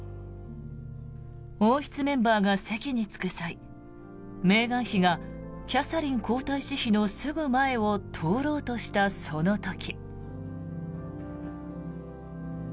王室メンバーが席に着く際メーガン妃がキャサリン皇太子妃のすぐ前を通ろうとしたその時。